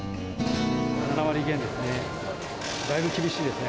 ７割減ですね。